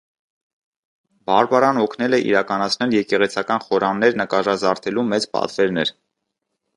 Բարբարան օգնել է իրականացնել եկեղեցական խորաններ նկարազարդելու մեծ պատվերներ։